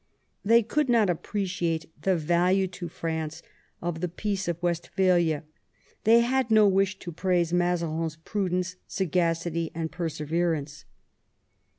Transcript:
They could not appreciate the value to France of the Peace of Westphalia; they had no wish to praise Mazarin's prudence, sagacity, and perseverance.